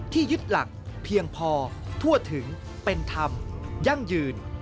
ยึดหลักเพียงพอทั่วถึงเป็นธรรมยั่งยืน